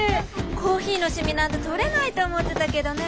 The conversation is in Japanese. コーヒーのシミなんて取れないと思ってたけどね。